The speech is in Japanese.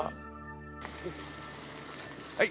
はい。